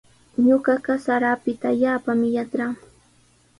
Ñuqaqa sara apita allaapami yatraa.